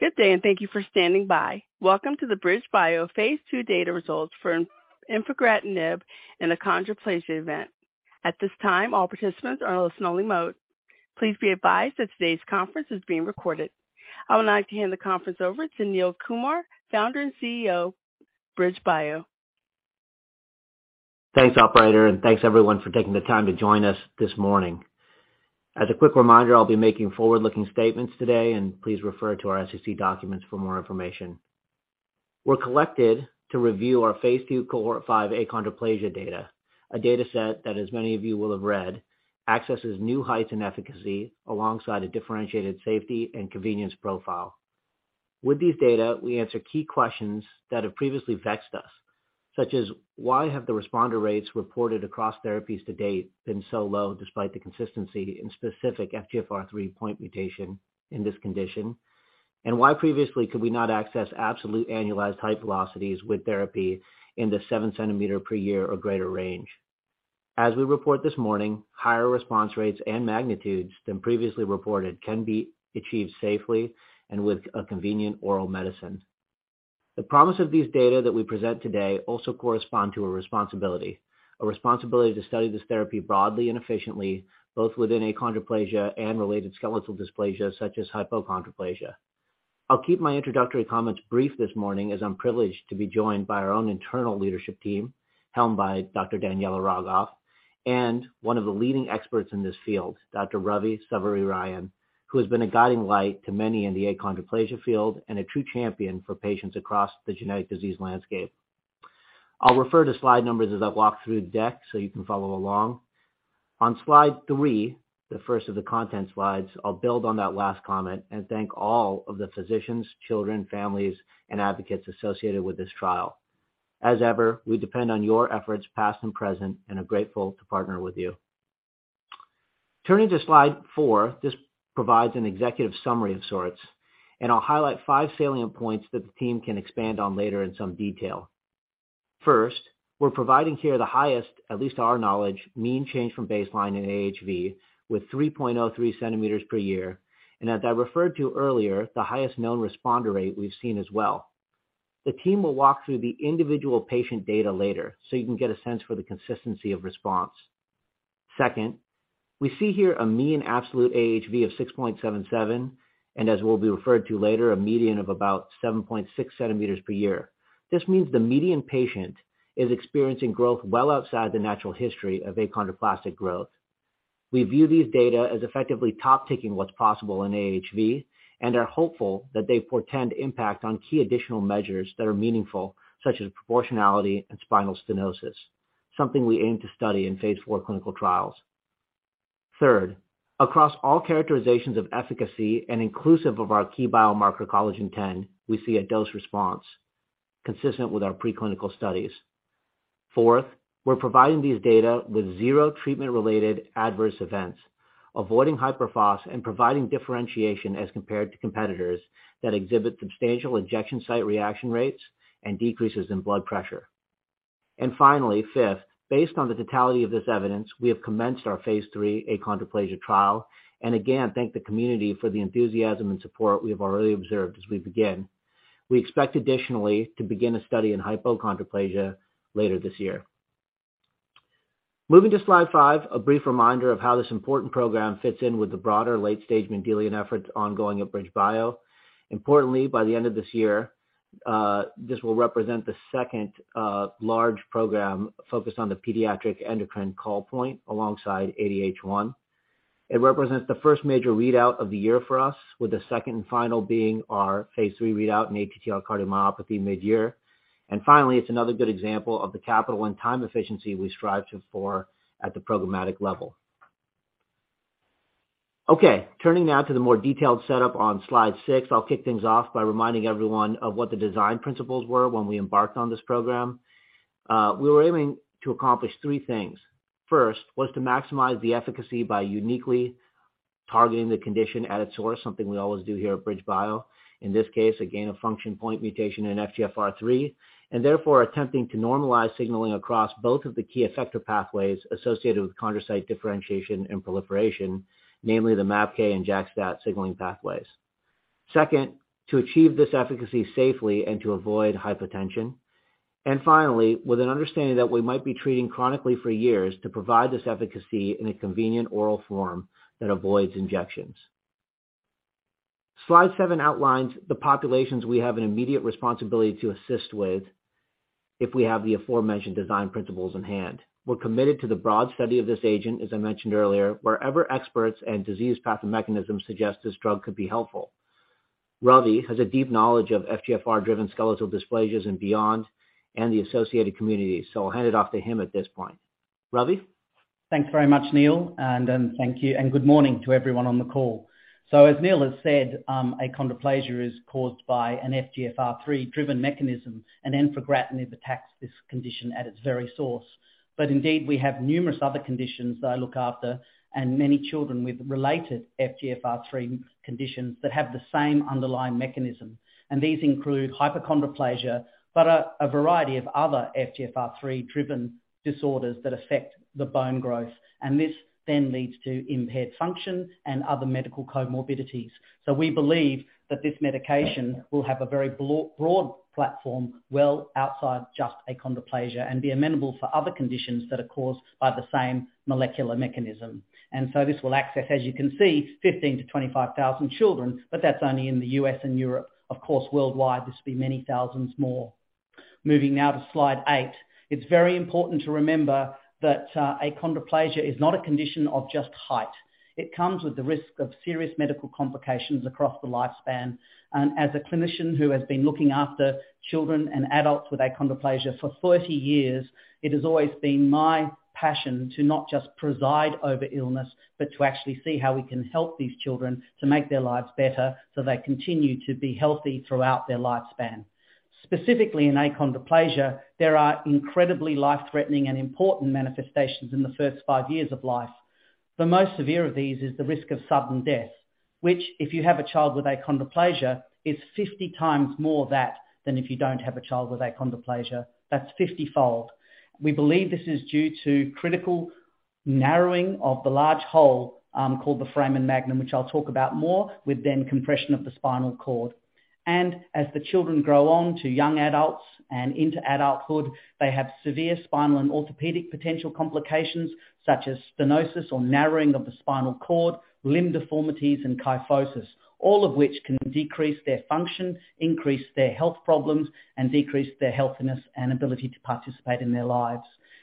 Good day. Thank you for standing by. Welcome to the BridgeBio phase II data results for infigratinib and achondroplasia event. At this time, all participants are in listen-only mode. Please be advised that today's conference is being recorded. I would like to hand the conference over to Neil Kumar, Founder and CEO, BridgeBio. Thanks, operator, and thanks everyone for taking the time to join us this morning. As a quick reminder, I'll be making forward-looking statements today, and please refer to our SEC documents for more information. We're collected to review our phase II cohort five achondroplasia data, a dataset that, as many of you will have read, accesses new heights in efficacy alongside a differentiated safety and convenience profile. With these data, we answer key questions that have previously vexed us, such as why have the responder rates reported across therapies to date been so low despite the consistency in specific FGFR3 point mutation in this condition? Why previously could we not access absolute annualized height velocities with therapy in the 7 cm per year or greater range? As we report this morning, higher response rates and magnitudes than previously reported can be achieved safely and with a convenient oral medicine. The promise of these data that we present today also correspond to a responsibility, a responsibility to study this therapy broadly and efficiently, both within achondroplasia and related skeletal dysplasia such as hypochondroplasia. I'll keep my introductory comments brief this morning, as I'm privileged to be joined by our own internal leadership team, helmed by Dr. Daniela Rogoff, and one of the leading experts in this field, Dr. Ravi Savarirayan, who has been a guiding light to many in the achondroplasia field and a true champion for patients across the genetic disease landscape. I'll refer to slide numbers as I walk through the deck so you can follow along. On slide three, the first of the content slides, I'll build on that last comment and thank all of the physicians, children, families, and advocates associated with this trial. As ever, we depend on your efforts, past and present, and are grateful to partner with you. Turning to slide four, this provides an executive summary of sorts, and I'll highlight five salient points that the team can expand on later in some detail. First, we're providing here the highest, at least to our knowledge, mean change from baseline in AHV with 3.03 cm per year. As I referred to earlier, the highest known responder rate we've seen as well. The team will walk through the individual patient data later, so you can get a sense for the consistency of response. Second, we see here a mean absolute AHV of 6.77, and as will be referred to later, a median of about 7.6 cm per year. This means the median patient is experiencing growth well outside the natural history of achondroplastic growth. We view these data as effectively top-taking what's possible in AHV and are hopeful that they portend impact on key additional measures that are meaningful, such as proportionality and spinal stenosis, something we aim to study in phase IV clinical trials. Third, across all characterizations of efficacy and inclusive of our key biomarker collagen X, we see a dose response consistent with our preclinical studies. Fourth, we're providing these data with zero treatment-related adverse events, avoiding hyperphos and providing differentiation as compared to competitors that exhibit substantial injection site reaction rates and decreases in blood pressure. Finally, fifth, based on the totality of this evidence, we have commenced our phase III achondroplasia trial, and again, thank the community for the enthusiasm and support we have already observed as we begin. We expect additionally to begin a study in hypochondroplasia later this year. Moving to slide five, a brief reminder of how this important program fits in with the broader late-stage Mendelian effort ongoing at BridgeBio. Importantly, by the end of this year, this will represent the second large program focused on the pediatric endocrine call point alongside ADH1. It represents the first major readout of the year for us, with the second and final being our phase III readout in ATTR cardiomyopathy mid-year. Finally, it's another good example of the capital and time efficiency we strive to for at the programmatic level. Turning now to the more detailed setup on slide six. I'll kick things off by reminding everyone of what the design principles were when we embarked on this program. We were aiming to accomplish three things. First was to maximize the efficacy by uniquely targeting the condition at its source, something we always do here at BridgeBio. In this case, a gain of function point mutation in FGFR3, and therefore attempting to normalize signaling across both of the key effector pathways associated with chondrocyte differentiation and proliferation, namely the MAPK and JAK-STAT signaling pathways. Second, to achieve this efficacy safely and to avoid hypotension. Finally, with an understanding that we might be treating chronically for years to provide this efficacy in a convenient oral form that avoids injections. Slide seven outlines the populations we have an immediate responsibility to assist with if we have the aforementioned design principles in hand. We're committed to the broad study of this agent, as I mentioned earlier, wherever experts and disease path mechanisms suggest this drug could be helpful. Ravi has a deep knowledge of FGFR-driven skeletal dysplasias and beyond and the associated communities. I'll hand it off to him at this point. Ravi? Thanks very much, Neil, and thank you and good morning to everyone on the call. As Neil has said, achondroplasia is caused by an FGFR3-driven mechanism, and infigratinib attacks this condition at its very source. Indeed, we have numerous other conditions that I look after and many children with related FGFR3 conditions that have the same underlying mechanism. These include hypochondroplasia, but a variety of other FGFR3-driven disorders that affect the bone growth. This then leads to impaired function and other medical comorbidities. We believe that this medication will have a very broad platform well outside just achondroplasia and be amenable for other conditions that are caused by the same molecular mechanism. This will access, as you can see, 15,000-25,000 children, but that's only in the U.S. and Europe. Of course, worldwide, this would be many thousands more. Moving now to slide eight. It's very important to remember that achondroplasia is not a condition of just height. It comes with the risk of serious medical complications across the lifespan. As a clinician who has been looking after children and adults with achondroplasia for 40 years, it has always been my passion to not just preside over illness, but to actually see how we can help these children to make their lives better so they continue to be healthy throughout their lifespan. Specifically in achondroplasia, there are incredibly life-threatening and important manifestations in the first five years of life. The most severe of these is the risk of sudden death, which, if you have a child with achondroplasia, is 50 times more that than if you don't have a child with achondroplasia. That's 50-fold. We believe this is due to critical narrowing of the large hole, called the foramen magnum, which I'll talk about more with then compression of the spinal cord. As the children grow on to young adults and into adulthood, they have severe spinal and orthopedic potential complications such as stenosis or narrowing of the spinal cord, limb deformities, and kyphosis, all of which can decrease their function, increase their health problems, and decrease their healthiness and ability to participate in their lives.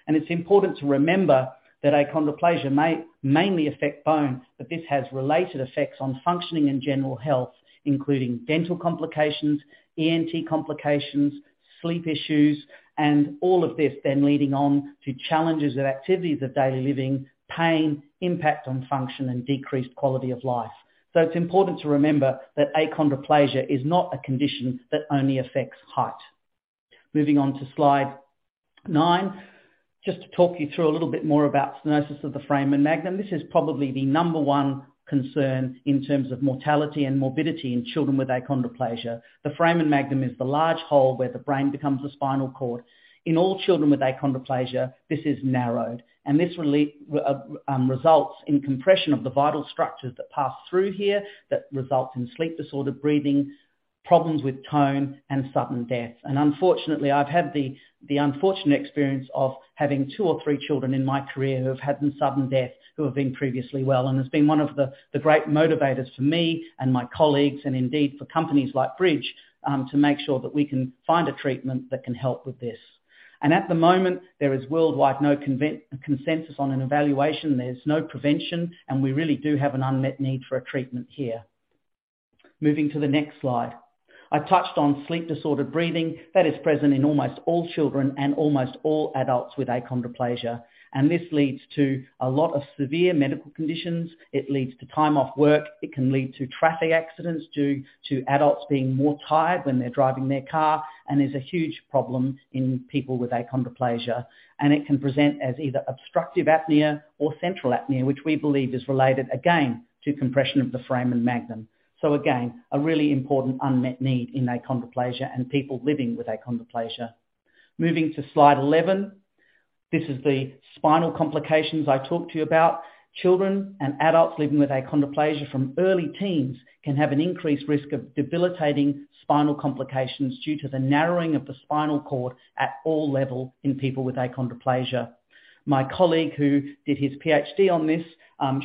It's important to remember that achondroplasia may mainly affect bones, but this has related effects on functioning and general health, including dental complications, ENT complications, sleep issues, and all of this then leading on to challenges of activities of daily living, pain, impact on function, and decreased quality of life. It's important to remember that achondroplasia is not a condition that only affects height. Moving on to slide nine. Just to talk you through a little bit more about stenosis of the foramen magnum. This is probably the number one concern in terms of mortality and morbidity in children with achondroplasia. The foramen magnum is the large hole where the brain becomes a spinal cord. In all children with achondroplasia, this is narrowed, and this results in compression of the vital structures that pass through here that result in sleep-disordered breathing, problems with tone, and sudden death. Unfortunately, I've had the unfortunate experience of having two or three children in my career who have had sudden death who have been previously well and it's been one of the great motivators for me and my colleagues and indeed for companies like Bridge to make sure that we can find a treatment that can help with this. At the moment, there is worldwide no consensus on an evaluation, there's no prevention, and we really do have an unmet need for a treatment here. Moving to the next slide. I touched on sleep-disordered breathing. That is present in almost all children and almost all adults with achondroplasia, and this leads to a lot of severe medical conditions. It leads to time off work. It can lead to traffic accidents due to adults being more tired when they're driving their car, and is a huge problem in people with achondroplasia. It can present as either obstructive apnea or central apnea, which we believe is related again to compression of the foramen magnum. Again, a really important unmet need in achondroplasia and people living with achondroplasia. Moving to slide 11. This is the spinal complications I talked to you about. Children and adults living with achondroplasia from early teens can have an increased risk of debilitating spinal complications due to the narrowing of the spinal cord at all levels in people with achondroplasia. My colleague, who did his PhD on this,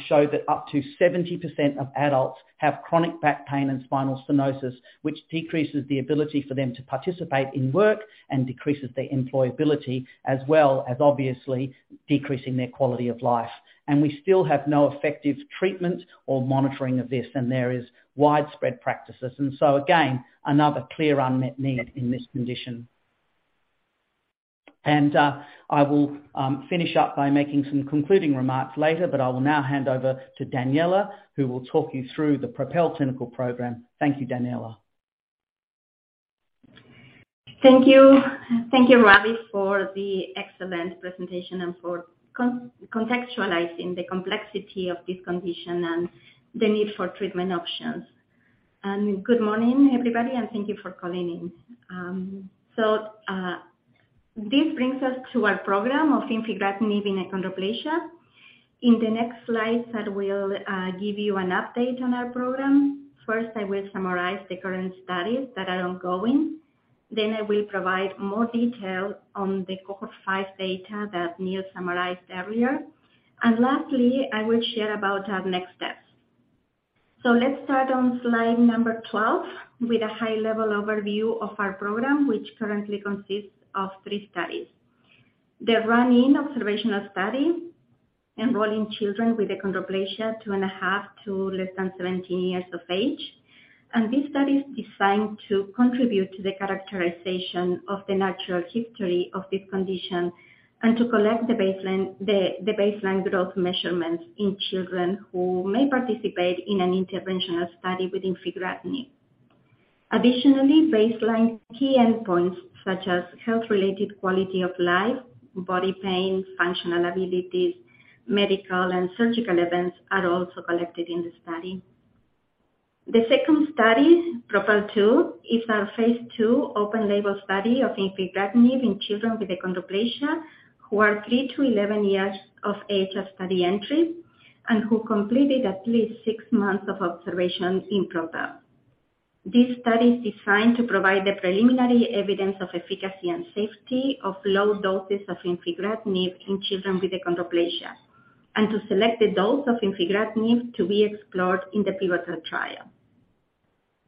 showed that up to 70% of adults have chronic back pain and spinal stenosis, which decreases the ability for them to participate in work and decreases their employability, as well as obviously decreasing their quality of life. We still have no effective treatment or monitoring of this, and there is widespread practices and so again, another clear unmet need in this condition. I will finish up by making some concluding remarks later, but I will now hand over to Daniela, who will talk you through the PROPEL clinical program. Thank you, Daniela. Thank you. Thank you, Ravi, for the excellent presentation and for contextualizing the complexity of this condition and the need for treatment options. Good morning, everybody, and thank you for calling in. This brings us to our program of infigratinib in achondroplasia. In the next slides, I will give you an update on our program. First, I will summarize the current studies that are ongoing. I will provide more detail on the cohort five data that Neil summarized earlier. Lastly, I will share about our next steps. Let's start on slide number 12 with a high-level overview of our program, which currently consists of three studies. The run-in observational study, enrolling children with achondroplasia 2.5 to less than 17 years of age. This study is designed to contribute to the characterization of the natural history of this condition and to collect the baseline, the baseline growth measurements in children who may participate in an interventional study with infigratinib. Additionally, baseline key endpoints such as health-related quality of life, body pain, functional abilities, medical and surgical events are also collected in the study. The second study, PROPEL 2, is our phase II open label study of infigratinib in children with achondroplasia who are three to 11 years of age at study entry and who completed at least six months of observation in PROPEL. This study is designed to provide the preliminary evidence of efficacy and safety of low doses of infigratinib in children with achondroplasia and to select the dose of infigratinib to be explored in the pivotal trial.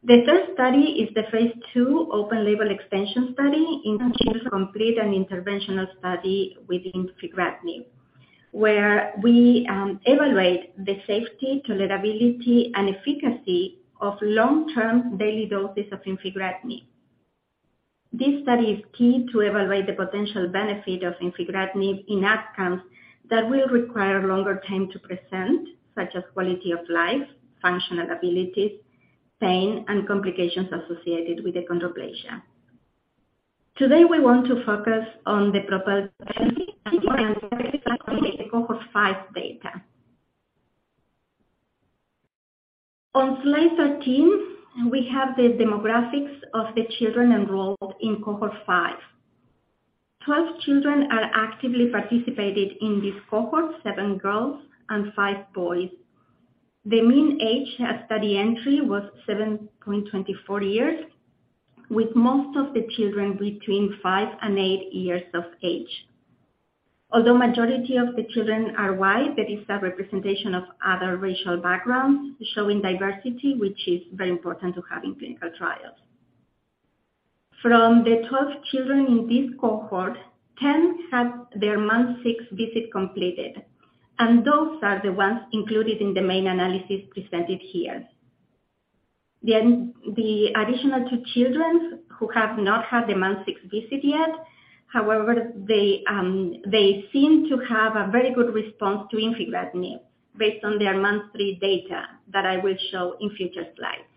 The third study is the phase II open-label extension study in complete an interventional study with infigratinib, where we evaluate the safety, tolerability, and efficacy of long-term daily doses of infigratinib. This study is key to evaluate the potential benefit of infigratinib in outcomes that will require longer time to present, such as quality of life, functional abilities, pain, and complications associated with achondroplasia. Today, we want to focus on the proposed cohort five data. On slide 13, we have the demographics of the children enrolled in cohort five. 12 children are actively participated in this cohort, seven girls and five boys. The mean age at study entry was 7.24 years, with most of the children between five and eight years of age. Although majority of the children are white, there is a representation of other racial backgrounds showing diversity, which is very important to have in clinical trials. From the 12 children in this cohort, 10 had their month six visit completed, and those are the ones included in the main analysis presented here. The additional two childrens who have not had the month six visit yet, however, they seem to have a very good response to infigratinib based on their month three data that I will show in future slides.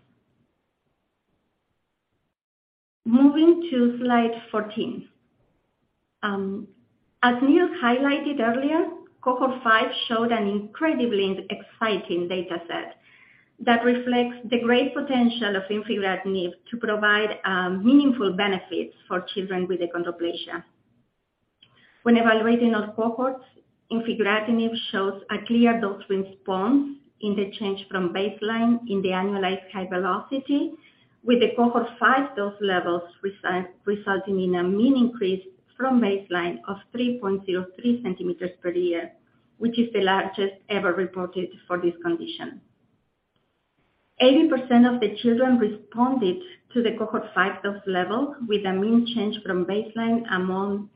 Moving to slide 14. As Neil highlighted earlier, cohort five showed an incredibly exciting data set that reflects the great potential of infigratinib to provide meaningful benefits for children with achondroplasia. When evaluating all cohorts, infigratinib shows a clear dose response in the change from baseline in the annualized high velocity, with the cohort five dose levels resulting in a mean increase from baseline of 3.03 cm per year, which is the largest ever reported for this condition. 80% of the children responded to the cohort five dose level with a mean change from baseline among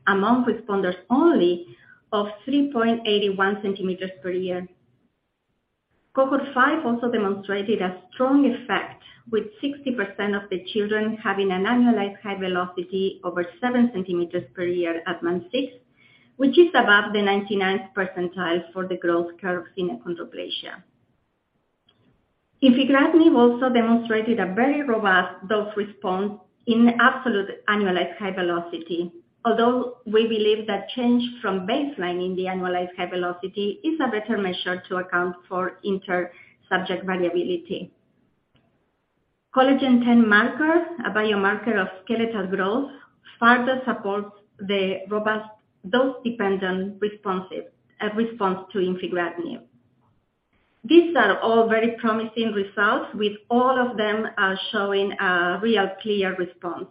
responders only of 3.81 cm per year. Cohort five also demonstrated a strong effect, with 60% of the children having an annualized high velocity over 7 cm per year at month six, which is above the 99th percentile for the growth curves in achondroplasia. Infigratinib also demonstrated a very robust dose response in absolute annualized high velocity. We believe that change from baseline in the annualized high velocity is a better measure to account for inter-subject variability. Collagen X marker, a biomarker of skeletal growth, further supports the robust dose-dependent response to infigratinib. These are all very promising results, with all of them showing a real clear response.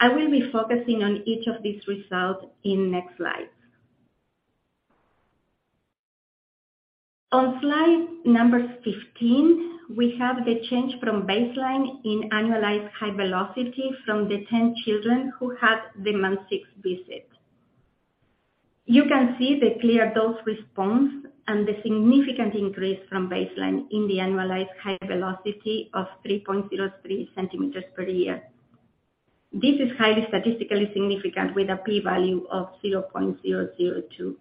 I will be focusing on each of these results in next slides. On slide number 15, we have the change from baseline in annualized high velocity from the 10 children who had the month six visit. You can see the clear dose response and the significant increase from baseline in the annualized high velocity of 3.03 cm per year. This is highly statistically significant with a p-value of 0.002.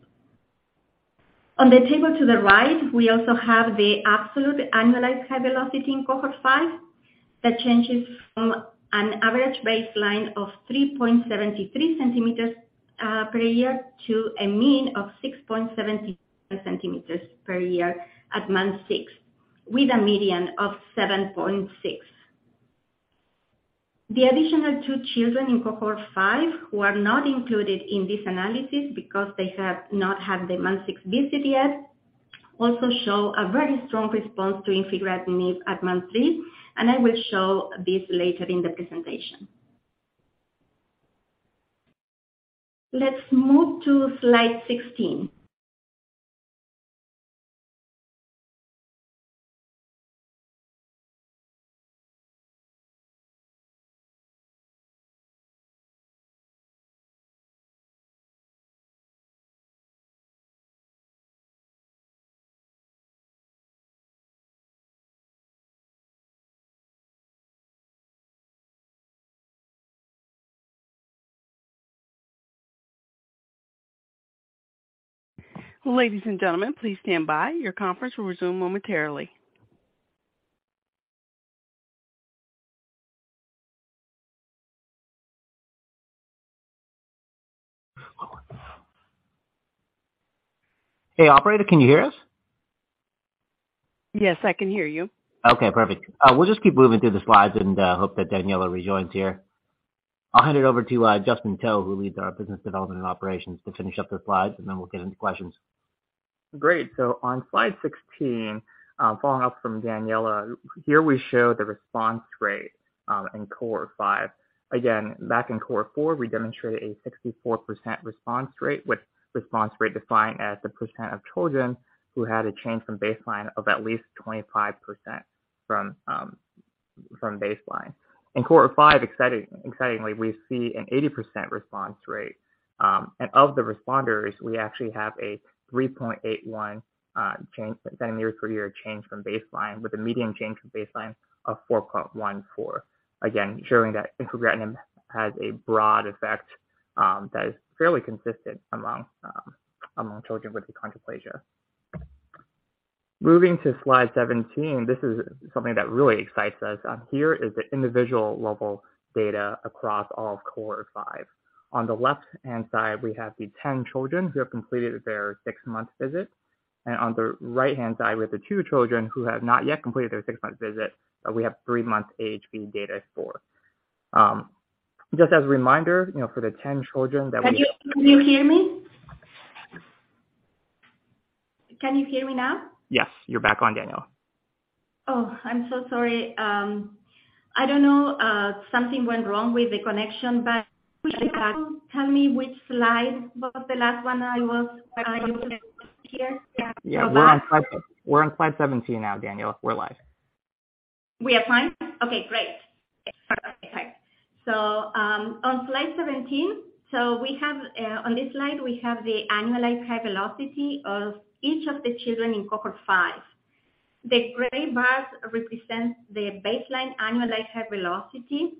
On the table to the right, we also have the absolute annualized high velocity in cohort five that changes from an average baseline of 3.73 cm per year to a mean of 6.70 cm per year at month six, with a median of 7.6. The additional two children in cohort five who are not included in this analysis because they have not had the month six visit yet, also show a very strong response to infigratinib at month three. I will show this later in the presentation. Let's move to slide 16. Ladies and gentlemen, please stand by. Your conference will resume momentarily. Hey, operator, can you hear us? Yes, I can hear you. Okay, perfect. We'll just keep moving through the slides and hope that Daniela rejoins here. I'll hand it over to Justin To, who leads our business development and operations, to finish up the slides. We'll get into questions. Great. On slide 16, following up from Daniela, here we show the response rate in cohort five. Again, back in cohort four, we demonstrated a 64% response rate, with response rate defined as the percent of children who had a change from baseline of at least 25% from baseline. In cohort five excitingly we see an 80% response rate. And of the responders, we actually have a 3.81 change, centimeters per year change from baseline, with a median change from baseline of 4.14. Again, showing that infigratinib has a broad effect that is fairly consistent among children with achondroplasia. Moving to slide 17, this is something that really excites us. On here is the individual level data across all of cohort five. On the left-hand side, we have the 10 children who have completed their six-month visit. On the right-hand side, we have the two children who have not yet completed their six-month visit, but we have three-month age feed data for. Just as a reminder, you know, for the 10 children. Can you hear me? Can you hear me now? Yes. You're back on, Daniela. Oh, I'm so sorry. I don't know, something went wrong with the connection, but tell me which slide was the last one I was here. Yeah. We're on slide 17 now, Daniela. We're live. We are fine? Okay, great. On slide 17, we have on this slide, we have the annualized high velocity of each of the children in cohort five. The gray bars represent the baseline annualized high velocity,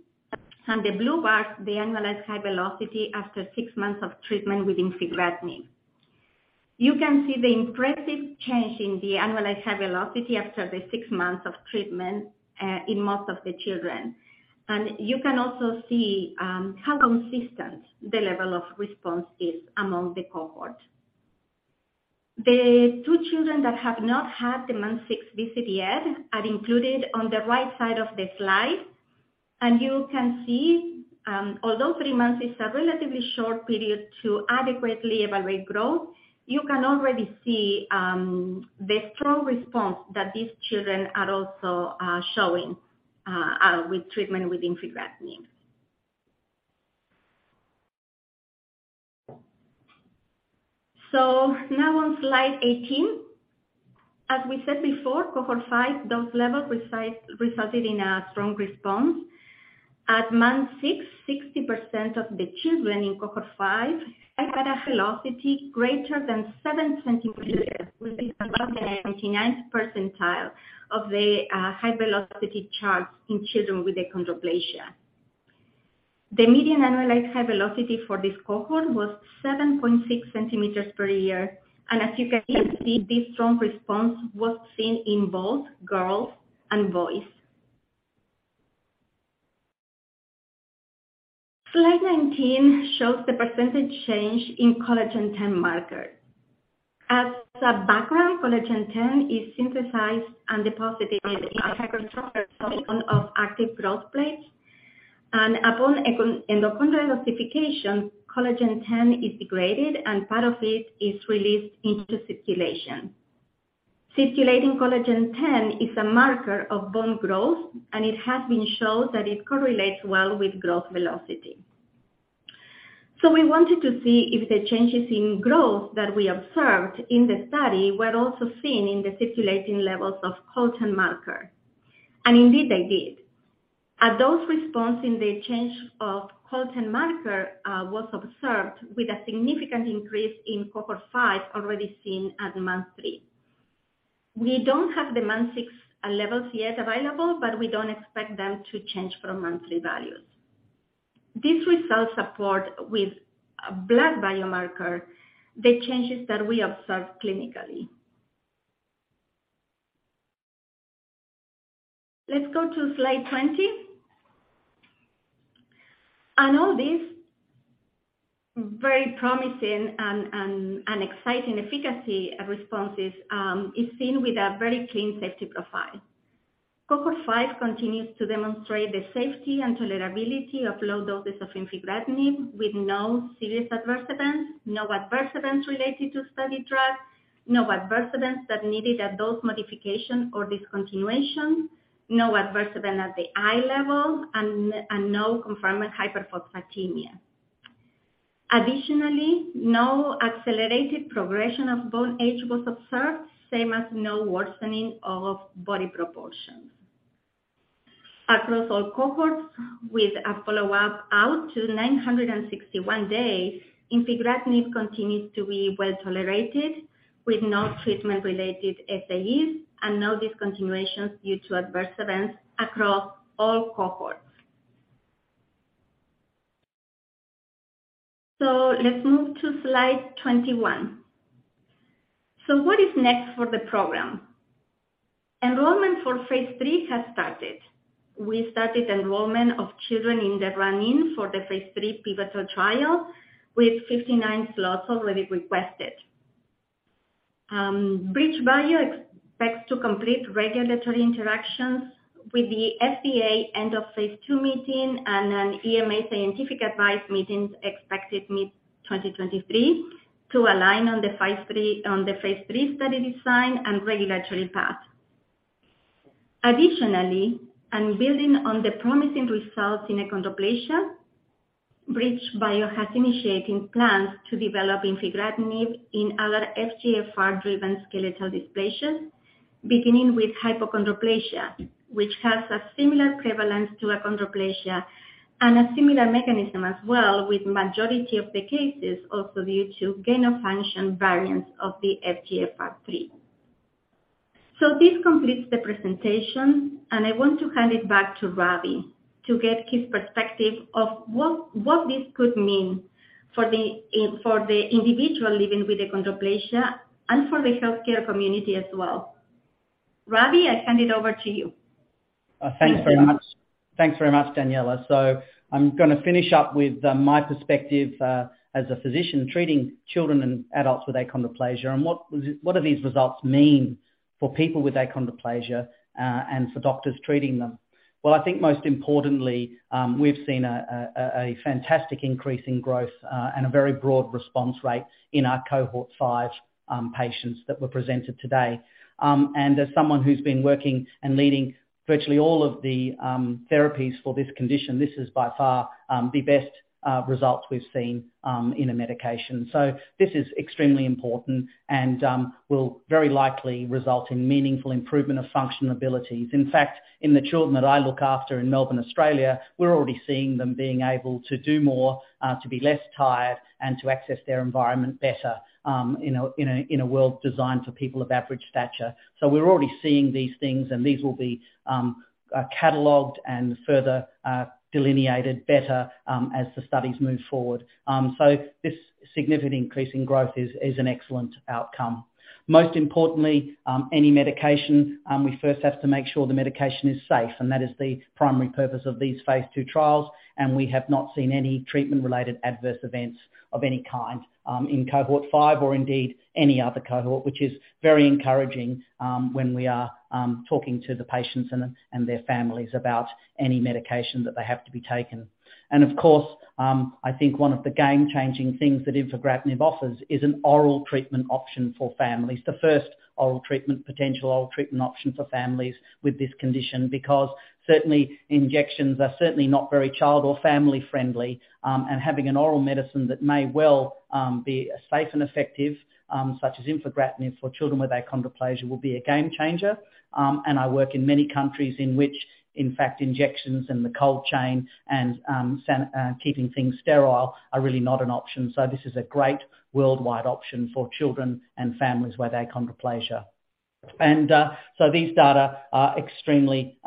and the blue bars, the annualized high velocity after six months of treatment with infigratinib. You can see the impressive change in the annualized high velocity after the six months of treatment in most of the children. You can also see how consistent the level of response is among the cohort. The two children that have not had the month six visit yet are included on the right side of the slide. You can see, although three months is a relatively short period to adequately evaluate growth, you can already see the strong response that these children are also showing with treatment with infigratinib. Now on slide 18. As we said before, cohort five dose level resulted in a strong response. At month six, 60% of the children in cohort five had a velocity greater than 7 cm which is above the 99th percentile of the high velocity charts in children with achondroplasia. The median annualized high velocity for this cohort was 7.6 cm per year. As you can see, this strong response was seen in both girls and boys. Slide 19 shows the percentage change in collagen X marker. As a background, collagen X is synthesized and deposited of active growth plates. Upon endochondral ossification, collagen X is degraded, and part of it is released into circulation. Circulating collagen X is a marker of bone growth, and it has been shown that it correlates well with growth velocity. We wanted to see if the changes in growth that we observed in the study were also seen in the circulating levels of collagen marker. Indeed they did. A dose response in the change of collagen marker was observed with a significant increase in cohort five already seen at month three. We don't have the month six levels yet available, but we don't expect them to change from month three values. These results support with a blood biomarker the changes that we observe clinically. Let's go to slide 20. All this very promising and exciting efficacy responses is seen with a very clean safety profile. Cohort five continues to demonstrate the safety and tolerability of low doses of infigratinib, with no serious adverse events, no adverse events related to study drug, no adverse events that needed adult modification or discontinuation, no adverse event at the eye level and no confirmed hyperphosphatemia. Additionally, no accelerated progression of bone age was observed, same as no worsening of body proportions. Across all cohorts with a follow-up out to 961 days, infigratinib continues to be well-tolerated, with no treatment-related SAEs and no discontinuations due to adverse events across all cohorts. Let's move to slide 21. What is next for the program? Enrollment for phase III has started. We started enrollment of children in the run-in for the phase III pivotal trial, with 59 slots already requested. BridgeBio expects to complete regulatory interactions with the FDA end of phase II meeting and an EMA scientific advice meeting expected mid-2023 to align on the phase III study design and regulatory path. Additionally, and building on the promising results in achondroplasia, BridgeBio has initiating plans to develop infigratinib in other FGFR-driven skeletal dysplasias, beginning with hypochondroplasia, which has a similar prevalence to achondroplasia and a similar mechanism as well, with majority of the cases also due to gain-of-function variants of the FGFR3. This completes the presentation, and I want to hand it back to Ravi to get his perspective of what this could mean for the individual living with achondroplasia and for the healthcare community as well. Ravi, I hand it over to you. Thanks very much. Thanks very much, Daniela. I'm gonna finish up with my perspective as a physician treating children and adults with achondroplasia and what do these results mean for people with achondroplasia and for doctors treating them. I think most importantly, we've seen a fantastic increase in growth and a very broad response rate in our cohort five patients that were presented today. As someone who's been working and leading virtually all of the therapies for this condition, this is by far the best result we've seen in a medication. This is extremely important and will very likely result in meaningful improvement of functional abilities. In fact, in the children that I look after in Melbourne, Australia, we're already seeing them being able to do more, to be less tired, and to access their environment better, in a world designed for people of average stature. We're already seeing these things, and these will be cataloged and further delineated better, as the studies move forward. This significant increase in growth is an excellent outcome. Most importantly, any medication, we first have to make sure the medication is safe, and that is the primary purpose of these phase II trials. We have not seen any treatment-related adverse events of any kind, in cohort five or indeed any other cohort, which is very encouraging, when we are talking to the patients and their families about any medication that they have to be taking. Of course, I think one of the game-changing things that infigratinib offers is an oral treatment option for families. The first oral treatment, potential oral treatment option for families with this condition. Because certainly, injections are certainly not very child or family-friendly, and having an oral medicine that may well be safe and effective, such as infigratinib for children with achondroplasia, will be a game changer. I work in many countries in which, in fact, injections and the cold chain and keeping things sterile are really not an option. This is a great worldwide option for children and families with achondroplasia. These data are extremely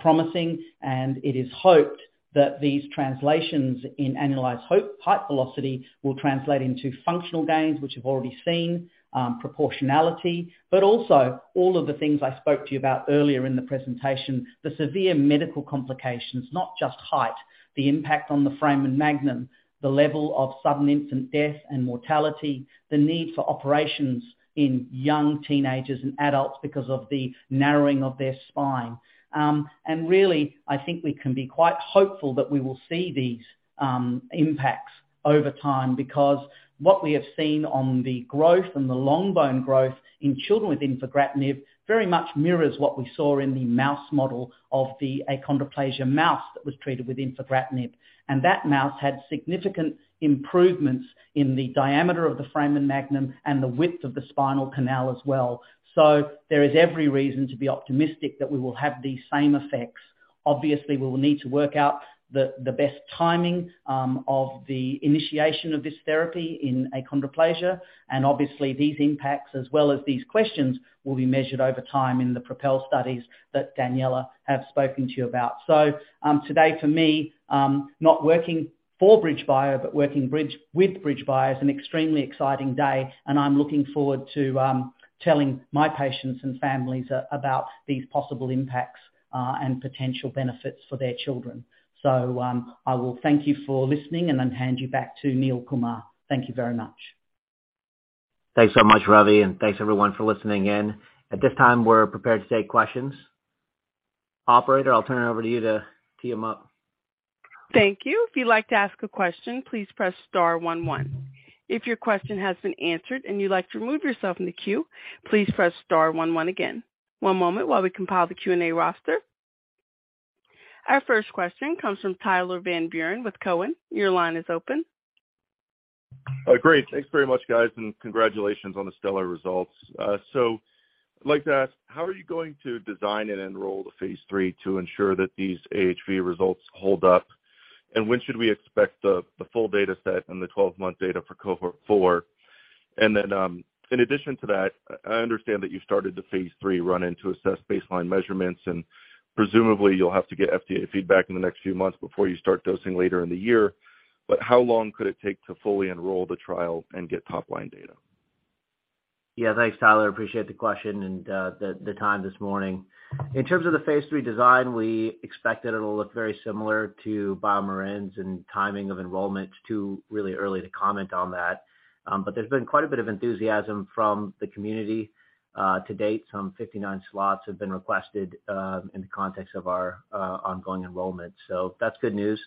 promising, and it is hoped that these translations in annualized height velocity will translate into functional gains, which we've already seen, proportionality. Also all of the things I spoke to you about earlier in the presentation, the severe medical complications, not just height, the impact on the foramen magnum, the level of sudden infant death and mortality, the need for operations in young teenagers and adults because of the narrowing of their spine. Really, I think we can be quite hopeful that we will see these impacts over time, because what we have seen on the growth and the long bone growth in children with infigratinib very much mirrors what we saw in the mouse model of the achondroplasia mouse that was treated with infigratinib. That mouse had significant improvements in the diameter of the foramen magnum and the width of the spinal canal as well. There is every reason to be optimistic that we will have the same effects. Obviously, we'll need to work out the best timing of the initiation of this therapy in achondroplasia. Obviously, these impacts as well as these questions will be measured over time in the PROPEL studies that Daniela has spoken to you about. Today for me, not working for BridgeBio but working with BridgeBio, is an extremely exciting day, and I'm looking forward to telling my patients and families about these possible impacts and potential benefits for their children. I will thank you for listening and then hand you back to Neil Kumar. Thank you very much. Thanks so much, Ravi, and thanks everyone for listening in. At this time, we're prepared to take questions. Operator, I'll turn it over to you to tee 'em up. Thank you. If you'd like to ask a question, please press star one one. If your question has been answered and you'd like to remove yourself from the queue, please press star one one again. One moment while we compile the Q&A roster. Our first question comes from Tyler Van Buren with Cowen. Your line is open. Great. Thanks very much, guys, and congratulations on the stellar results. I'd like to ask, how are you going to design and enroll the phase III to ensure that these AHV results hold up? When should we expect the full data set and the 12-month data for cohort four? In addition to that, I understand that you started the phase III run-in to assess baseline measurements, and presumably you'll have to get FDA feedback in the next few months before you start dosing later in the year. How long could it take to fully enroll the trial and get top-line data? Thanks, Tyler. Appreciate the question and the time this morning. In terms of the phase III design, we expect that it'll look very similar to BioMarin's in timing of enrollment. It's too really early to comment on that. There's been quite a bit of enthusiasm from the community. To date, some 59 slots have been requested in the context of our ongoing enrollment. That's good news.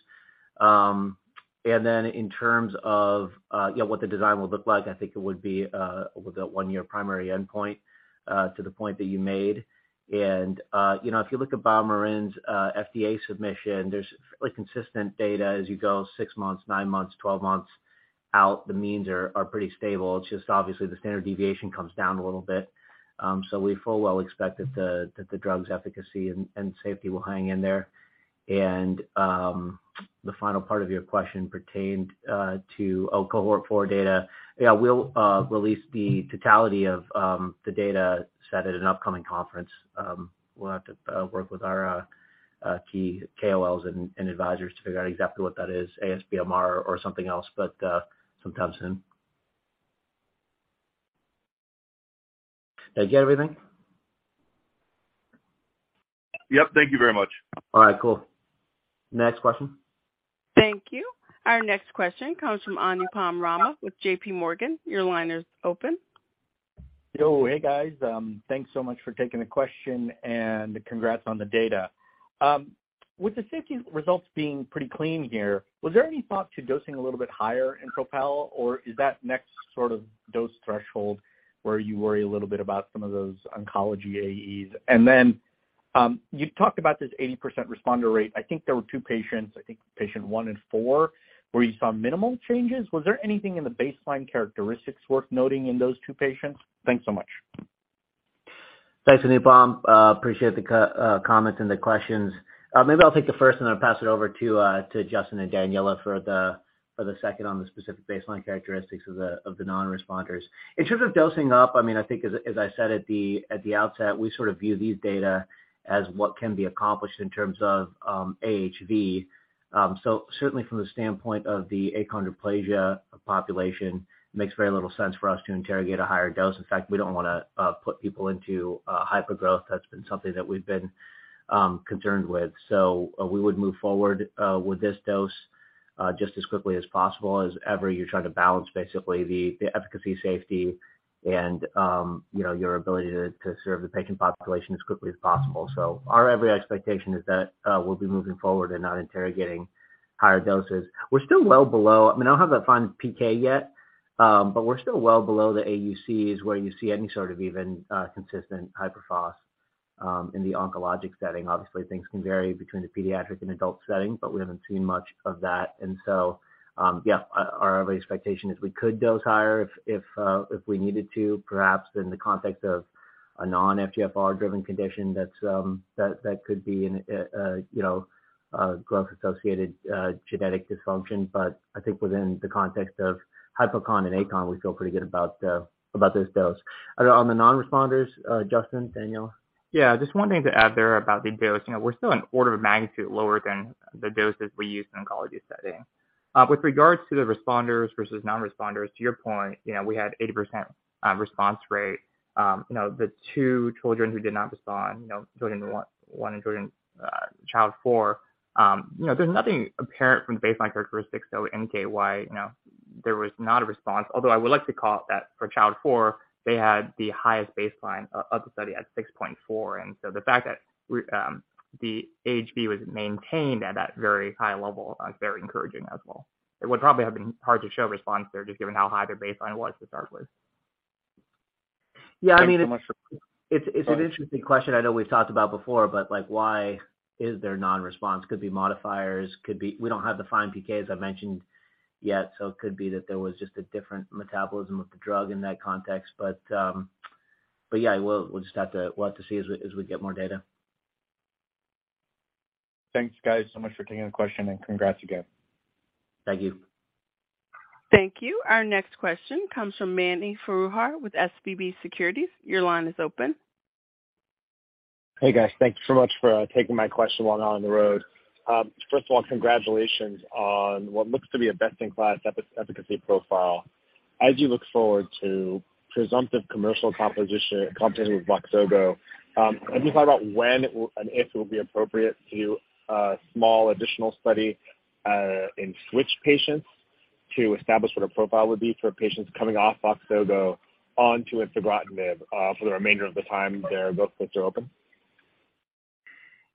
Then in terms of, you know, what the design would look like, I think it would be with a one-year primary endpoint to the point that you made. If you look at BioMarin's FDA submission, there's fairly consistent data as you go six months, nine months, 12 months out. The means are pretty stable. It's just obviously the standard deviation comes down a little bit. We full well expect that the drug's efficacy and safety will hang in there. The final part of your question pertained to, oh, cohort four data. Yeah, we'll release the totality of the data set at an upcoming conference. We'll have to work with our key KOLs and advisors to figure out exactly what that is, ASBMR or something else, but sometime soon. Did I get everything? Yep. Thank you very much. All right. Cool. Next question. Thank you. Our next question comes from Anupam Rama with JPMorgan. Your line is open. Yo. Hey, guys. Thanks so much for taking the question, and congrats on the data. With the safety results being pretty clean here, was there any thought to dosing a little bit higher in PROPEL, or is that next sort of dose threshold where you worry a little bit about some of those oncology AEs? You've talked about this 80% responder rate. I think there were two patients, I think patient one and four, where you saw minimal changes. Was there anything in the baseline characteristics worth noting in those two patients? Thanks so much. Thanks, Anupam. Appreciate the comments and the questions. Maybe I'll take the first, and then I'll pass it over to Justin and Daniela for the second on the specific baseline characteristics of the non-responders. In terms of dosing up, I mean, I think as I said at the outset, we sort of view these data as what can be accomplished in terms of AHV. Certainly from the standpoint of the achondroplasia population, makes very little sense for us to interrogate a higher dose. In fact, we don't wanna put people into hypergrowth. That's been something that we've been concerned with. We would move forward with this dose just as quickly as possible. As ever, you're trying to balance basically the efficacy, safety and, you know, your ability to serve the patient population as quickly as possible. Our every expectation is that we'll be moving forward and not interrogating higher doses. We're still well below. I mean, I don't have that fine PK yet, but we're still well below the AUCs where you see any sort of even consistent hyperphos in the oncologic setting. Obviously, things can vary between the pediatric and adult setting, we haven't seen much of that. Yeah, our expectation is we could dose higher if we needed to, perhaps in the context of a non-FGFR-driven condition that's that could be a, you know, a growth-associated genetic dysfunction. I think within the context of hypocon and achon, we feel pretty good about this dose. On the non-responders, Justin, Daniela? Yeah, just one thing to add there about the dosing. We're still an order of magnitude lower than the doses we use in oncology setting. With regards to the responders versus non-responders, to your point, you know, we had 80% response rate. You know, the two children who did not respond, you know, children one and child four, you know, there's nothing apparent from the baseline characteristics that would indicate why, you know, there was not a response. Although I would like to call out that for child four, they had the highest baseline of the study at 6.4. The fact that we, the AHV was maintained at that very high level is very encouraging as well. It would probably have been hard to show response there just given how high their baseline was to start with. Yeah, I mean. Thanks so much. It's an interesting question I know we've talked about before, like, why is there non-response? Could be modifiers, could be. We don't have the fine PK, as I mentioned, yet, so it could be that there was just a different metabolism of the drug in that context. Yeah, we'll just have to see as we get more data. Thanks, guys, so much for taking the question, and congrats again. Thank you. Thank you. Our next question comes from Mani Foroohar with SVB Securities. Your line is open. Hey, guys. Thank you so much for taking my question while I'm on the road. First of all, congratulations on what looks to be a best-in-class efficacy profile. As you look forward to presumptive commercial continuity with VOXZOGO, can you talk about when and if it will be appropriate to do a small additional study in switch patients to establish what a profile would be for patients coming off VOXZOGO onto infigratinib for the remainder of the time their books are open?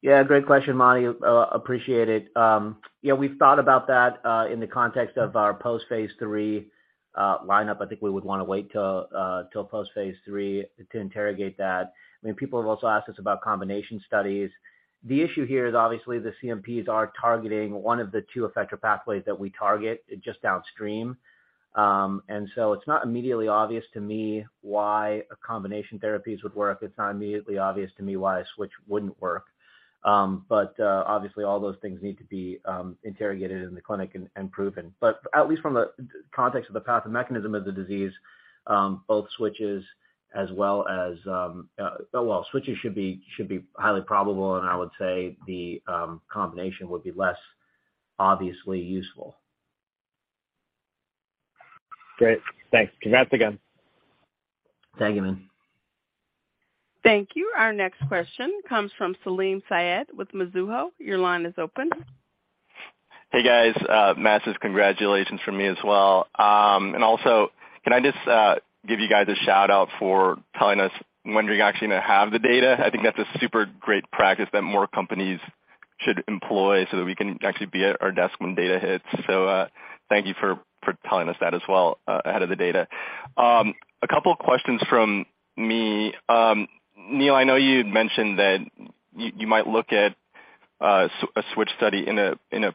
Yeah, great question, Mani. appreciate it. Yeah, we've thought about that in the context of our post-phase III lineup. I think we would wanna wait till post-phase III to interrogate that. I mean, people have also asked us about combination studies. The issue here is obviously the CNPs are targeting one of the two effector pathways that we target just downstream. It's not immediately obvious to me why a combination therapies would work. It's not immediately obvious to me why a switch wouldn't work. Obviously all those things need to be interrogated in the clinic and proven. At least from the context of the pathomechanism of the disease, both switches as well as, switches should be highly probable, and I would say the combination would be less obviously useful. Great. Thanks. Congrats again. Thank you, Mani. Thank you. Our next question comes from Salim Syed with Mizuho. Your line is open. Hey, guys. Massive congratulations from me as well. Can I just give you guys a shout-out for telling us when you're actually gonna have the data? I think that's a super great practice that more companies should employ so that we can actually be at our desk when data hits. Thank you for telling us that as well, ahead of the data. A couple of questions from me. Neil, I know you had mentioned that you might look at a switch study in a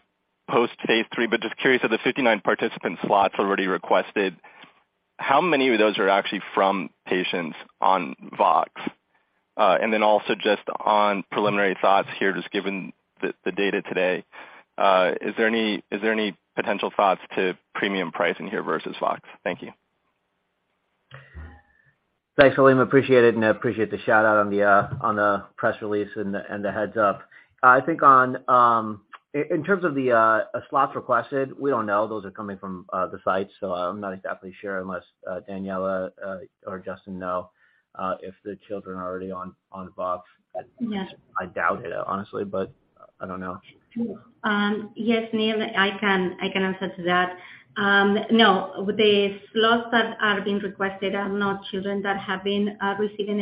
post-phase III, but just curious of the 59 participant slots already requested, how many of those are actually from patients on VOX? Then also just on preliminary thoughts here, just given the data today, is there any potential thoughts to premium pricing here versus VOX? Thank you. Thanks, Salim. Appreciate it, and I appreciate the shout-out on the on the press release and the and the heads-up. I think on in terms of the slots requested, we don't know. Those are coming from the site, so I'm not exactly sure unless Daniela or Justin know if the children are already on on VOX. Yes. I doubt it, honestly, but I don't know. Yes, Neil, I can answer to that. No. The slots that are being requested are not children that have been receiving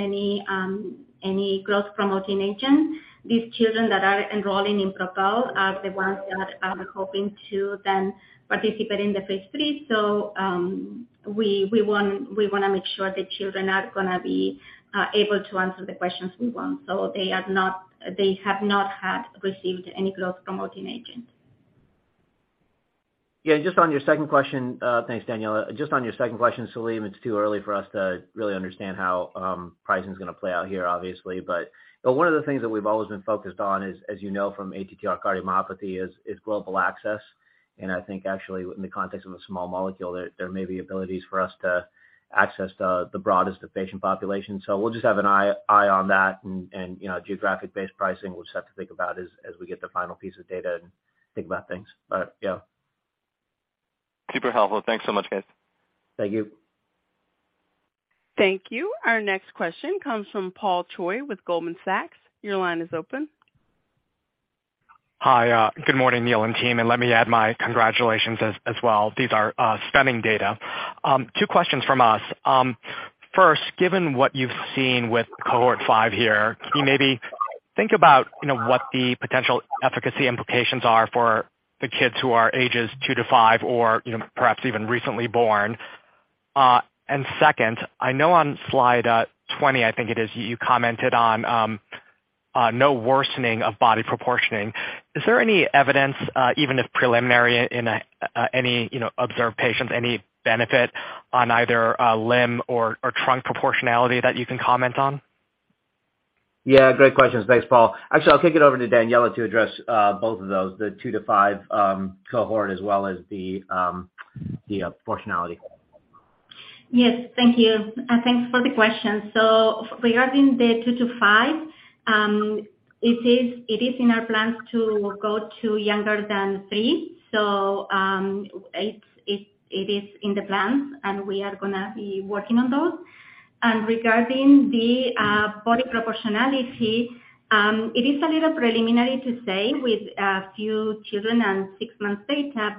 any growth-promoting agent. These children that are enrolling in PROPEL are the ones that are hoping to then participate in the phase III. We want, we wanna make sure the children are gonna be able to answer the questions we want. They have not had received any growth-promoting agent. Just on your second question... Thanks, Daniela. Just on your second question, Salim, it's too early for us to really understand how pricing is gonna play out here, obviously. One of the things that we've always been focused on is, as you know, from ATTR cardiomyopathy is global access. I think actually in the context of a small molecule, there may be abilities for us to access the broadest of patient population. We'll just have an eye on that and, you know, geographic-based pricing, we'll just have to think about as we get the final piece of data and think about things. But yeah. Super helpful. Thanks so much, guys. Thank you. Thank you. Our next question comes from Paul Choi with Goldman Sachs. Your line is open. Hi. Good morning, Neil and team. Let me add my congratulations as well. These are stunning data. Two questions from us. First, given what you've seen with cohort five here, can you maybe think about, you know, what the potential efficacy implications are for the kids who are ages two to five or, you know, perhaps even recently born? Second, I know on slide 20, I think it is, you commented on no worsening of body proportioning. Is there any evidence, even if preliminary in any, you know, observed patients, any benefit on either a limb or trunk proportionality that you can comment on? Yeah, great questions. Thanks, Paul. Actually, I'll kick it over to Daniela to address both of those, the two to five cohort as well as the proportionality. Yes. Thank you. Thanks for the question. Regarding the two to five, it is in our plans to go to younger than three. It is in the plans, and we are going to be working on those. Regarding the body proportionality, it is a little preliminary to say with a few children and six months data.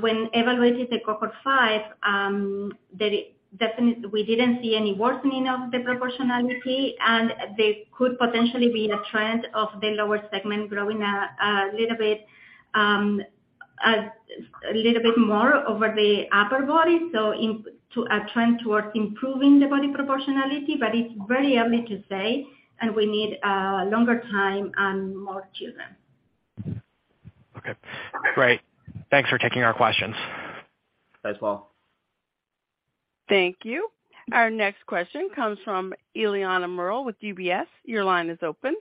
When evaluating the cohort five, we didn't see any worsening of the proportionality, and there could potentially be a trend of the lower segment growing a little bit more over the upper body, so to a trend towards improving the body proportionality. It's very early to say, and we need a longer time and more children. Okay. Great. Thanks for taking our questions. Thanks, Paul. Thank you. Our next question comes from Eliana Merle with UBS. Your line is open.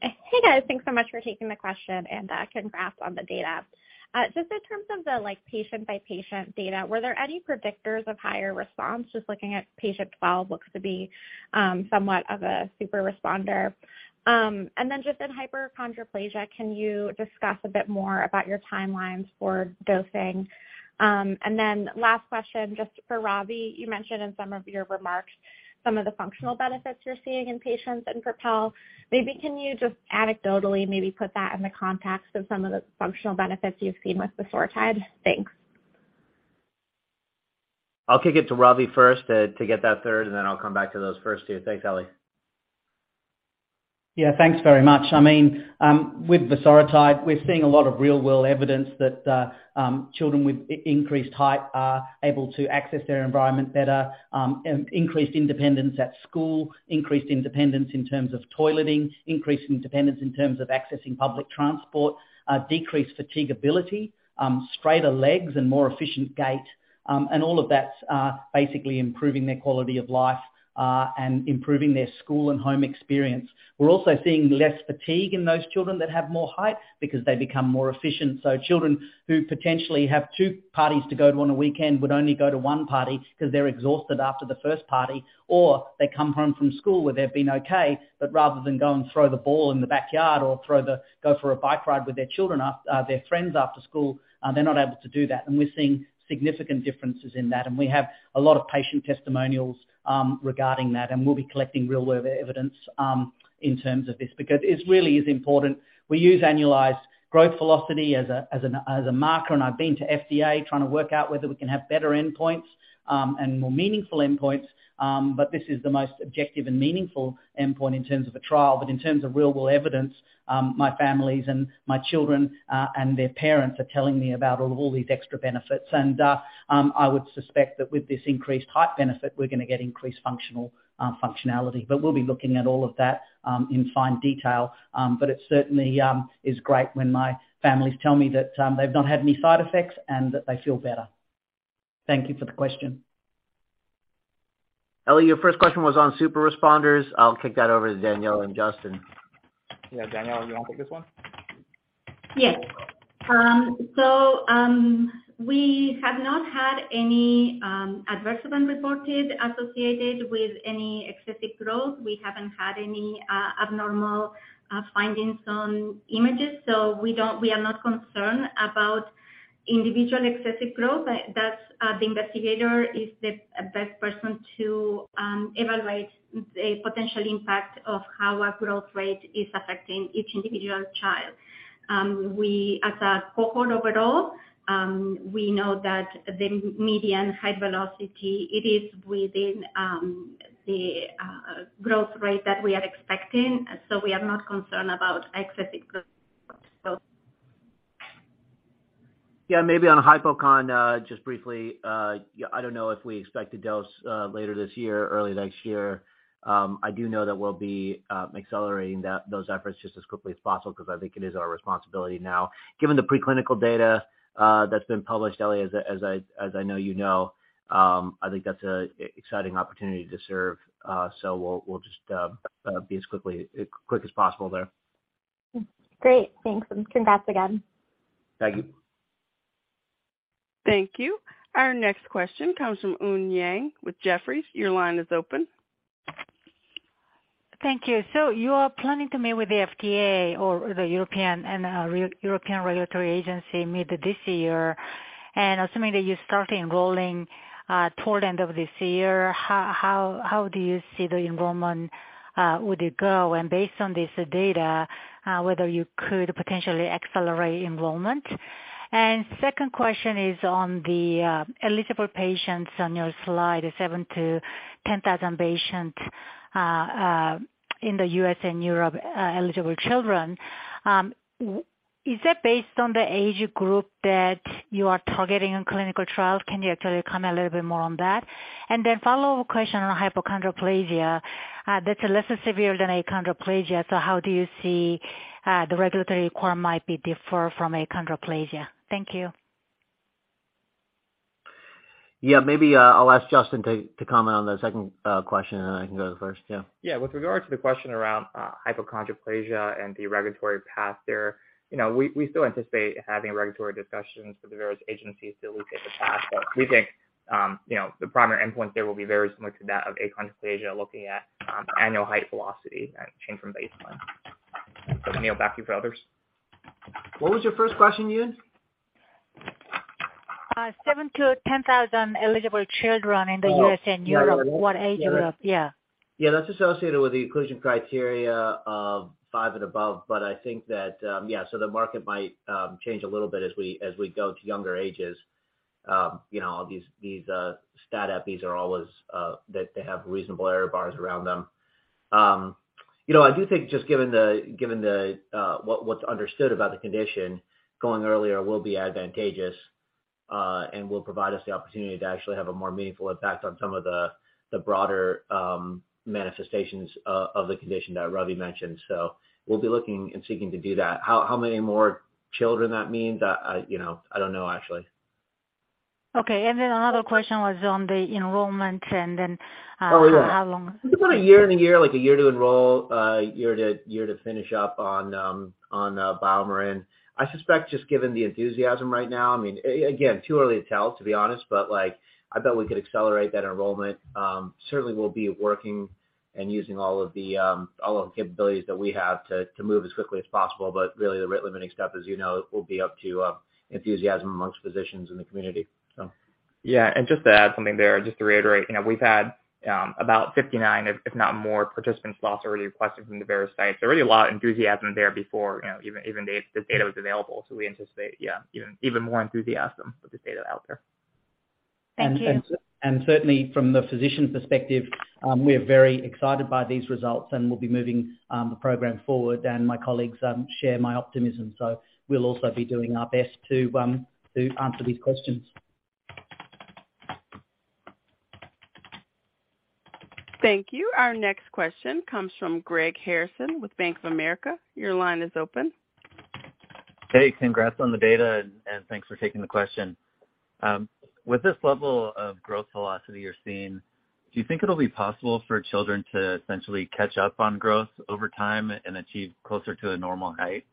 Hey, guys. Thanks so much for taking the question and congrats on the data. Just in terms of the, like, patient-by-patient data, were there any predictors of higher response? Just looking at patient 12 looks to be somewhat of a super responder. Just in hypochondroplasia, can you discuss a bit more about your timelines for dosing? Last question, just for Ravi, you mentioned in some of your remarks some of the functional benefits you're seeing in patients in PROPEL. Maybe can you just anecdotally maybe put that in the context of some of the functional benefits you've seen with vosoritide? Thanks. I'll kick it to Ravi first to get that third, and then I'll come back to those first two. Thanks, Ellie. Yeah. Thanks very much. I mean, with vosoritide, we're seeing a lot of real-world evidence that children with increased height are able to access their environment better, increased independence at school, increased independence in terms of toileting, increased independence in terms of accessing public transport, decreased fatigability, straighter legs and more efficient gait. All of that's basically improving their quality of life and improving their school and home experience. We're also seeing less fatigue in those children that have more height because they become more efficient. Children who potentially have two parties to go to on a weekend would only go to one party because they're exhausted after the first party, or they come home from school where they've been okay, but rather than go and throw the ball in the backyard or go for a bike ride with their children their friends after school, they're not able to do that. We're seeing significant differences in that. We have a lot of patient testimonials regarding that, and we'll be collecting real-world evidence in terms of this because it really is important. We use annualized growth velocity as a marker, and I've been to FDA trying to work out whether we can have better endpoints and more meaningful endpoints. This is the most objective and meaningful endpoint in terms of a trial. In terms of real-world evidence, my families and my children, and their parents are telling me about all these extra benefits. I would suspect that with this increased height benefit, we're gonna get increased functional functionality. We'll be looking at all of that in fine detail. It certainly is great when my families tell me that they've not had any side effects and that they feel better. Thank you for the question. Ellie, your first question was on super responders. I'll kick that over to Daniela and Justin. Daniela, you wanna take this one? Yes. We have not had any adverse event reported associated with any excessive growth. We haven't had any abnormal findings on images. We are not concerned about individual excessive growth. That's the investigator is the best person to evaluate the potential impact of how a growth rate is affecting each individual child. As a cohort overall, we know that the median height velocity, it is within the growth rate that we are expecting. We are not concerned about excessive growth. Maybe on Hypocon, just briefly, I don't know if we expect to dose later this year, early next year. I do know that we'll be accelerating those efforts just as quickly as possible because I think it is our responsibility now. Given the preclinical data that's been published, Ellie, as I know you know, I think that's an exciting opportunity to serve. We'll just be quick as possible there. Great. Thanks, and congrats again. Thank you. Thank you. Our next question comes from Eun Yang with Jefferies. Your line is open. Thank you. You are planning to meet with the FDA or the European Regulatory Agency mid this year. Assuming that you start enrolling toward end of this year, how do you see the enrollment would it go? Based on this data, whether you could potentially accelerate enrollment. Second question is on the eligible patients on your slide, 7,000-10,000 patients in the U.S. and Europe, eligible children. Is that based on the age group that you are targeting in clinical trials? Can you actually comment a little bit more on that? Follow-up question on hypochondroplasia. That's less severe than achondroplasia, how do you see the regulatory requirement might be differ from achondroplasia? Thank you. Yeah. Maybe, I'll ask Justin to comment on the second question, and then I can go to the first. Yeah. With regard to the question around hypochondroplasia and the regulatory path there, you know, we still anticipate having regulatory discussions with the various agencies to look at the path. We think, you know, the primary endpoint there will be very similar to that of achondroplasia, looking at annual height velocity and change from baseline. Daniela, back to you for others. What was your first question, Eun? 7,000-10,000 eligible children in the U.S. and Europe. What age group? Yeah. Yeah, that's associated with the inclusion criteria of five and above. I think that, yeah, the market might change a little bit as we go to younger ages. You know, these stat epies are always, they have reasonable error bars around them. You know, I do think just given the what's understood about the condition, going earlier will be advantageous and will provide us the opportunity to actually have a more meaningful impact on some of the broader manifestations of the condition that Ravi mentioned. We'll be looking and seeking to do that. How many more children that means, I, you know, I don't know actually. Okay. Then another question was on the enrollment. Oh, yeah. How long? I think about a year, like a year to enroll, a year to finish up on BioMarin. I suspect just given the enthusiasm right now, I mean, again, too early to tell, to be honest, but, like, I bet we could accelerate that enrollment. Certainly we'll be working and using all of the capabilities that we have to move as quickly as possible. Really the rate limiting step, as you know, will be up to enthusiasm amongst physicians in the community. Yeah. Just to add something there, just to reiterate, you know, we've had about 59 if not more participants slots already requested from the various sites. There really a lot of enthusiasm there before, you know, even the data was available. We anticipate, yeah, even more enthusiasm with this data out there. Thank you. Certainly from the physician perspective, we're very excited by these results, and we'll be moving the program forward, and my colleagues share my optimism. We'll also be doing our best to answer these questions. Thank you. Our next question comes from Greg Harrison with Bank of America. Your line is open. Hey, congrats on the data, and thanks for taking the question. With this level of growth velocity you're seeing, do you think it'll be possible for children to essentially catch up on growth over time and achieve closer to a normal height?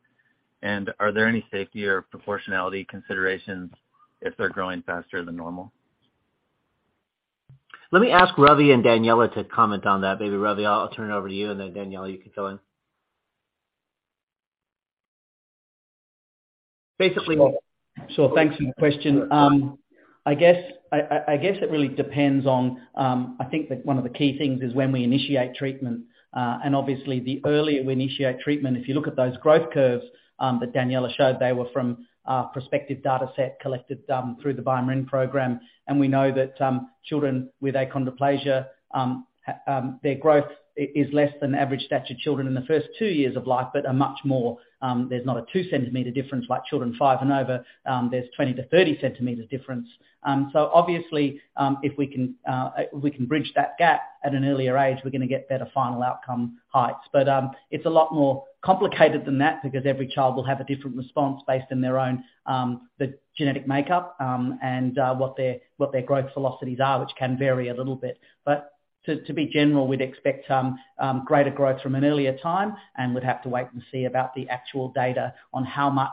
Are there any safety or proportionality considerations if they're growing faster than normal? Let me ask Ravi and Daniela to comment on that. Maybe, Ravi, I'll turn it over to you, and then Daniela, you can fill in. Sure. Sure. Thanks for the question. I guess it really depends on, I think that one of the key things is when we initiate treatment. Obviously the earlier we initiate treatment, if you look at those growth curves, that Daniela showed, they were from a prospective dataset collected, through the BioMarin program. We know that, children with achondroplasia, their growth is less than average stature children in the first two years of life, but are much more, there's not a 2 cm difference like children five and over. There's 20 to 30 cm difference. Obviously, if we can bridge that gap at an earlier age, we're gonna get better final outcome heights. It's a lot more complicated than that because every child will have a different response based on their own the genetic makeup and what their growth velocities are, which can vary a little bit. To be general, we'd expect greater growth from an earlier time, and we'd have to wait and see about the actual data on how much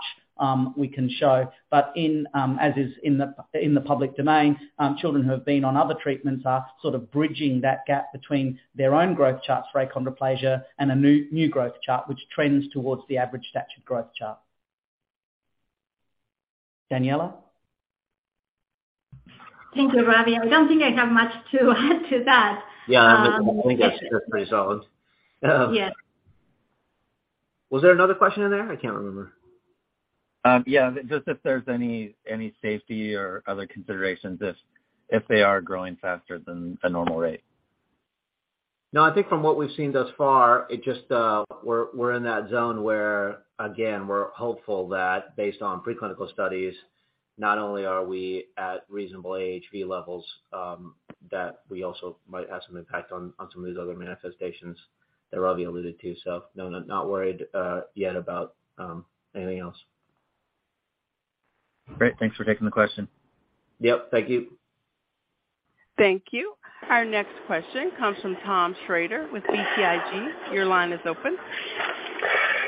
we can show. In as is in the in the public domain, children who have been on other treatments are sort of bridging that gap between their own growth charts for achondroplasia and a new growth chart, which trends towards the average stature growth chart. Daniela? Thank you, Ravi. I don't think I have much to add to that. Yeah, I think that's pretty solid. Yes. Was there another question in there? I can't remember. Just if there's any safety or other considerations if they are growing faster than the normal rate. I think from what we've seen thus far, it just, we're in that zone where, again, we're hopeful that based on pre-clinical studies, not only are we at reasonable AHV levels, that we also might have some impact on some of these other manifestations that Ravi alluded to. Not worried, yet about anything else. Great. Thanks for taking the question. Yep. Thank you. Thank you. Our next question comes from Tom Shrader with BTIG. Your line is open.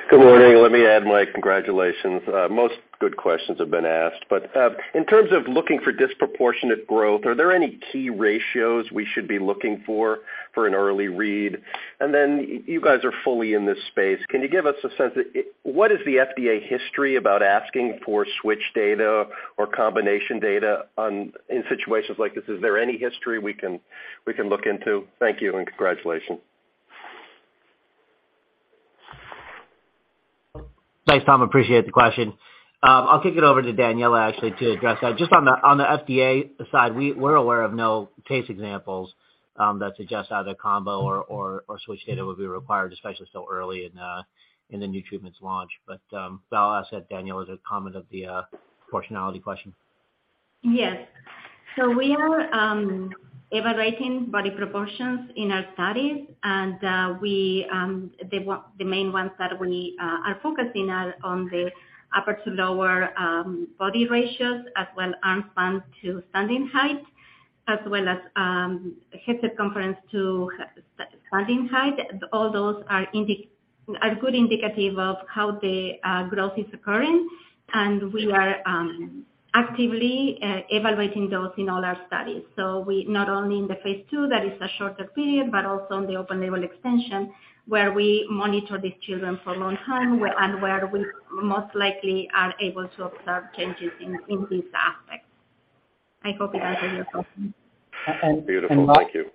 Good morning. Let me add my congratulations. Most good questions have been asked, but, in terms of looking for disproportionate growth, are there any key ratios we should be looking for for an early read? Then you guys are fully in this space. Can you give us a sense of what is the FDA history about asking for switch data or combination data in situations like this? Is there any history we can look into? Thank you. Congratulations. Thanks, Tom. Appreciate the question. I'll kick it over to Daniela actually to address that. Just on the FDA side, we're aware of no case examples that suggest either combo or switch data would be required, especially so early in the new treatments launch. I'll ask that Daniela to comment of the proportionality question. Yes. We are evaluating body proportions in our studies. We the main ones that we are focusing are on the upper to lower body ratios as well arm span to standing height as well as head circumference to standing height. All those are good indicative of how the growth is occurring, we are actively evaluating those in all our studies. We not only in the phase II, that is a shorter period, but also in the open label extension, where we monitor these children for long time and where we most likely are able to observe changes in these aspects. I hope it answers your question. Beautiful. Thank you.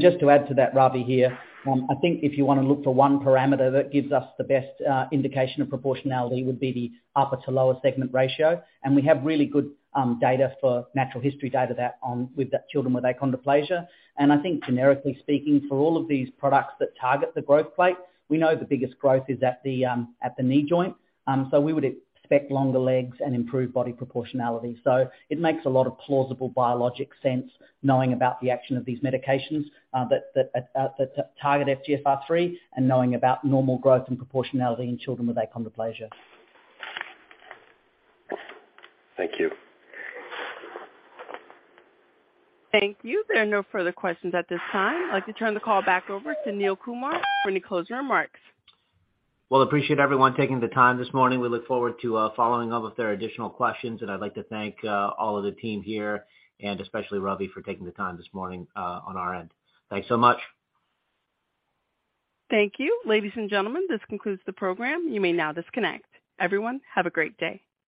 Just to add to that, Ravi here. I think if you wanna look for one parameter that gives us the best indication of proportionality would be the upper to lower segment ratio. We have really good data for natural history data that with the children with achondroplasia. I think generically speaking, for all of these products that target the growth plate, we know the biggest growth is at the knee joint. We would expect longer legs and improved body proportionality. It makes a lot of plausible biologic sense knowing about the action of these medications that target FGFR3 and knowing about normal growth and proportionality in children with achondroplasia. Thank you. Thank you. There are no further questions at this time. I'd like to turn the call back over to Neil Kumar for any closing remarks. Well, appreciate everyone taking the time this morning. We look forward to following up if there are additional questions. I'd like to thank all of the team here and especially Ravi for taking the time this morning on our end. Thanks so much. Thank you. Ladies and gentlemen, this concludes the program. You may now disconnect. Everyone, have a great day.